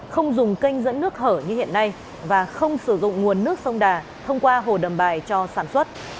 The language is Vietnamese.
không dùng kênh dẫn nước hở như hiện nay và không sử dụng nguồn nước sông đà thông qua hồ đầm bài cho sản xuất